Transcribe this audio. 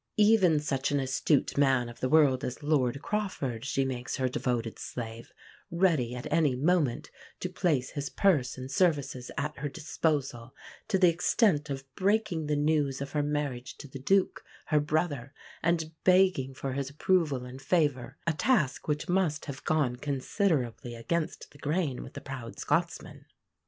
Even such an astute man of the world as Lord Crawford she makes her devoted slave, ready at any moment to place his purse and services at her disposal, to the extent of breaking the news of her marriage to the Duke, her brother, and begging for his approval and favour; a task which must have gone considerably against the grain with the proud Scotsman.